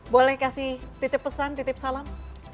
boleh kasih titip pesan titip salam